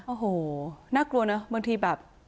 โอ้โหน่ากลัวนะบางทีแบบ